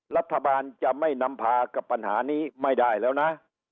รัฐบาลจะไม่นำพากับปัญหานี้ไม่ได้แล้วนะ